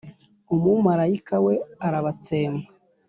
Umumalayika we arabatsemba.